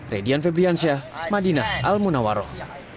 radian febriansyah madinah almunawaroh